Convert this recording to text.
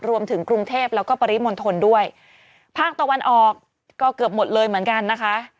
รวมถึงกรุงเทพแล้วก็ปริมณฑลด้วยภาคตะวันออกก็เกือบหมดเลยเหมือนกันนะคะ